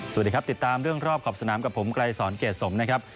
สวัสดีครับติดตามเรื่องรอบขอบสนามกับผมไกรสอนเกรดสมนะครับ